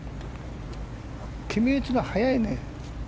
決め打ちが早いね。